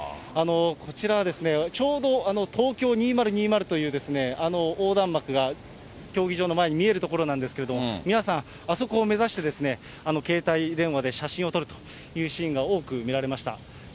こちらはですね、ちょうど東京２０２０という、横断幕が競技場の前に見える所なんですけれども、皆さん、あそこを目指して携帯電話で写真を撮るというシーンが多く見られました。